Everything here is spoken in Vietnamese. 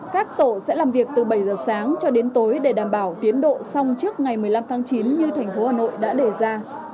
các tổ sẽ làm việc từ bảy giờ sáng cho đến tối để đảm bảo tiến độ xong trước ngày một mươi năm tháng chín như thành phố hà nội đã đề ra